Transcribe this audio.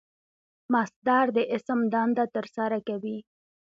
مصدر د اسم دنده ترسره کوي.